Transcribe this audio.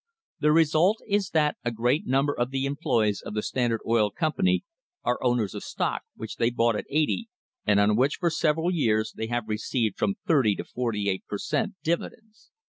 The result is that a great num ber of the employees of the Standard Oil Company are owners of stock which they bought at eighty, and on which for several years they have received from thirty to forty eight per cent, dividends.